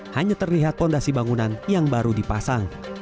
hanya terlihat fondasi bangunan yang baru dipasang